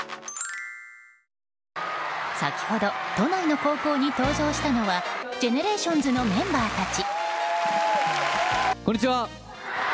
先ほど、都内の高校に登場したのはＧＥＮＥＲＡＴＩＯＮＳのメンバーたち。